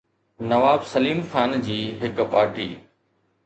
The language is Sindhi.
نواب سليم خان جي هڪ پارٽي